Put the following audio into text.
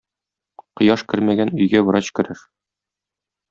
Кояш кермәгән өйгә врач керер.